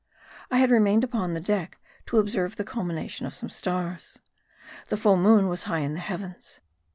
I had remained upon the deck to observe the culmination of some stars. The full moon was high in the heavens.